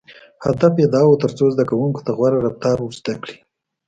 • هدف یې دا و، تر څو زدهکوونکو ته غوره رفتار ور زده کړي.